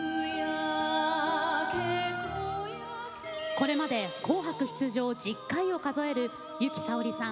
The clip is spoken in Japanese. これまで「紅白」出場１０回を数える由紀さおりさん